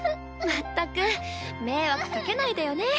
まったく迷惑かけないでよね。